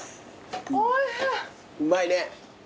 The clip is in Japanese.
うまいね。